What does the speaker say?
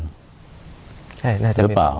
ใช่น่าจะมีขบวนการ